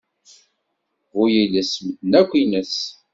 Bu yiles medden akk ines.